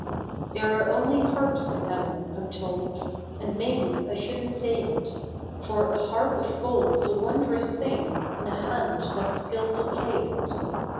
There are only harps in heaven, I'm told, And maybe I shouldn't say it, For a harp of gold's a wondrous thing In a hand that's skilled to play it.